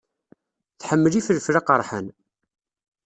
Tḥemmel ifelfel aqerḥan.